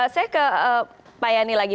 saya ke pak yani lagi